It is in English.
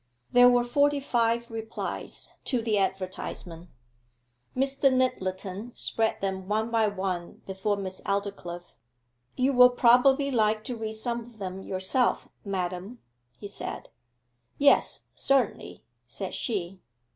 There were forty five replies to the advertisement. Mr. Nyttleton spread them one by one before Miss Aldclyffe. 'You will probably like to read some of them yourself, madam?' he said. 'Yes, certainly,' said she.